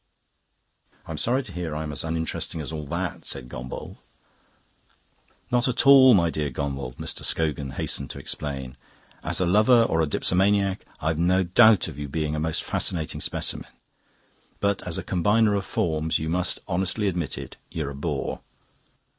"I'm sorry to hear I'm as uninteresting as all that," said Gombauld. "Not at all, my dear Gombauld," Mr. Scogan hastened to explain. "As a lover or a dipsomaniac, I've no doubt of your being a most fascinating specimen. But as a combiner of forms, you must honestly admit it, you're a bore."